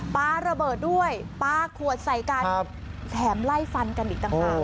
ปลาระเบิดด้วยปลาขวดใส่กันแถมไล่ฟันกันอีกต่างหาก